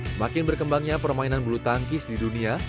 semakin berkembangnya permainan bulu tangkis di dunia